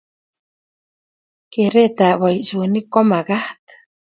Keret ab boisonik komakat